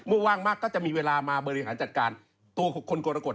ว่าว่างมากก็จะมีเวลามาบริหารจัดการตัวของคนกรกฎ